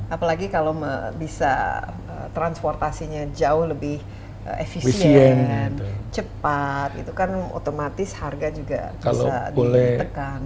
jadi kalau bisa transportasinya jauh lebih efisien cepat itu kan otomatis harga juga bisa ditekan